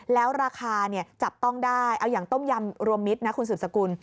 แล้วราคาจับต้องได้เอาอย่างต้มยำรวมมิตรนะคุณสืบสกุล